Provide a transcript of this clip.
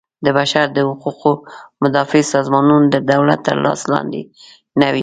د بشر د حقوقو مدافع سازمانونه د دولت تر لاس لاندې نه وي.